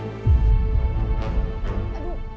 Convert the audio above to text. masih mau berangkat ke jogja